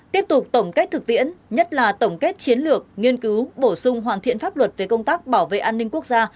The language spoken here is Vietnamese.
tiếp tục tổng kết thực tiễn nhất là tổng kết chiến lược nghiên cứu bổ sung hoàn thiện pháp luật về công tác bảo vệ an ninh quốc gia